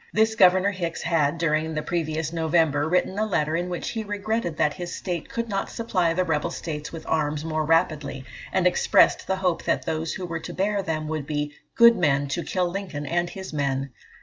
This Governor Hicks had, during the previous November, written a letter, in which he regretted that his state could not supply the rebel states with arms more rapidly, and expressed the hope that those who were to bear them would be "good men to kill Lincoln and his men."